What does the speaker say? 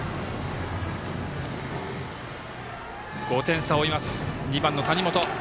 ５点差を追います、５番の谷本。